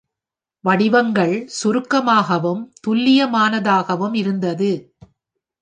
வடிவங்கள் சுருக்கமாகவும் துல்லியமானதாகவும் இருந்தது.